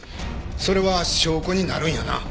それは証拠になるんやな？